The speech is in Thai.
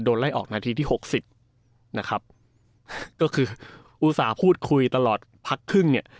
ไล่ออกนาทีที่หกสิบนะครับก็คืออุตส่าห์พูดคุยตลอดพักครึ่งเนี่ย